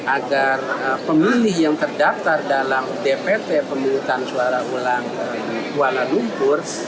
agar pemilih yang terdaftar dalam dpp pemungutan suara ulang kuala lumpur